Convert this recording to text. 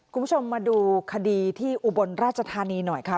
คุณผู้ชมมาดูคดีที่อุบลราชธานีหน่อยค่ะ